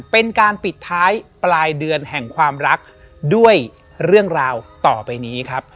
เป็นการปิดท้ายปลายเดือนแห่งความรักด้วยเรื่องราวต่อไปนี้ครับ